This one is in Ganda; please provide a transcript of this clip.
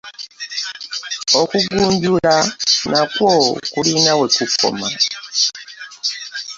Okugunjula nako kulina we kukoma.